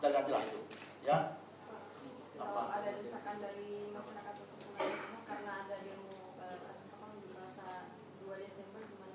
kalau ada diserahkan dari masyarakat perpustakaan karena ada demo apa namanya dua desember gimana